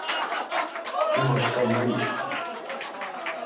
Him aşǩva ma mişǩun.